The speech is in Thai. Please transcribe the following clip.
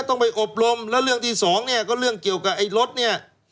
ต้องไปอบรมแล้วเรื่องที่สองเนี่ยก็เรื่องเกี่ยวกับไอ้รถเนี่ย